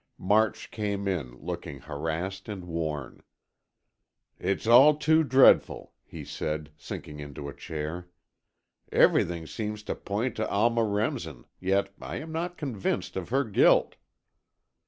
March came in, looking harassed and worn. "It's all too dreadful," he said, sinking into a chair. "Everything seems to point to Alma Remsen, yet I am not convinced of her guilt."